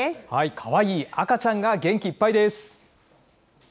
かわいい赤ちゃんが元気いっぱいです。